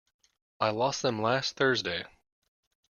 I lost them last Thursday.